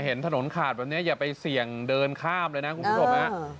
เห็นถนนขาดแบบนี้อย่าไปเสี่ยงเดินข้ามเลยนะคุณผู้ชมฮะ